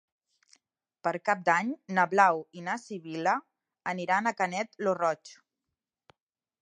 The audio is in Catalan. Per Cap d'Any na Blau i na Sibil·la aniran a Canet lo Roig.